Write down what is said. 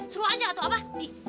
seru aja tuh abah